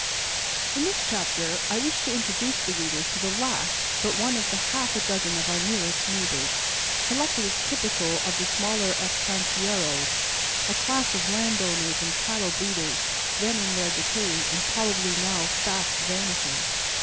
In this chapter I wish to introduce the reader to the last but one of the half a dozen of our nearest neighbours, selected as typical of the smaller estancieros a class of landowners and cattle breeders then in their decay and probably now fast vanishing.